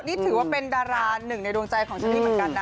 นี่ถือว่าเป็นดาราหนึ่งในดวงใจของเชอรี่เหมือนกันนะ